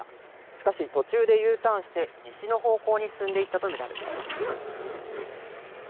しかし、途中でＵターンして西の方向に進んでいったとみられています。